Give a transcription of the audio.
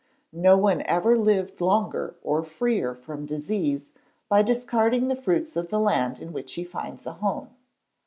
No one ever lived longer or freer from disease by discarding the fruits of the land in which he finds a home.